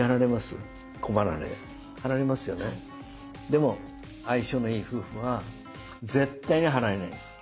でも相性のいい夫婦は絶対に離れないです。